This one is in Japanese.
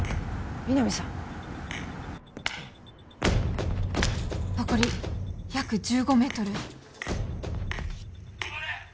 皆実さん残り約１５メートル止まれ！